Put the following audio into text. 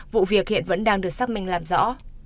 vụ việc hiện vẫn đang được xác minh làm rõ